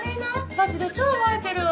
マジで超映えてるわ。